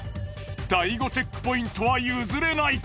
第５チェックポイントはゆずれない。